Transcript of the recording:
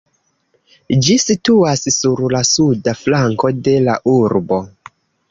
Ĝi situas sur la suda flanko de la urbo.